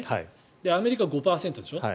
アメリカは５％でしょ。